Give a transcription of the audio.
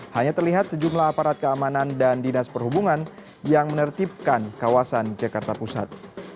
hanya terlihat sejumlah aparat keamanan dan dinas perhubungan yang menertibkan kawasan jakarta pusat